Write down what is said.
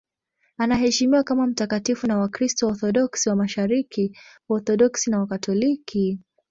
Anaheshimiwa kama mtakatifu na Wakristo Waorthodoksi wa Mashariki, Waorthodoksi na Wakatoliki.